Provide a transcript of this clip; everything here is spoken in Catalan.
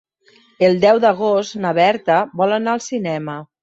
El deu d'agost na Berta vol anar al cinema.